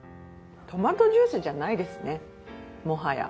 トマトジュースじゃないですねもはや。